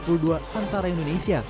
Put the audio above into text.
pertandingan lag pertama semifinal indonesia